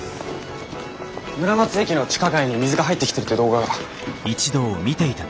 村松駅の地下街に水が入ってきてるって動画が。